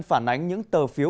phản ánh những tờ phiếu